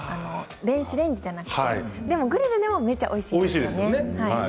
電子レンジじゃなくてでもグリルでもめっちゃおいしいですよね。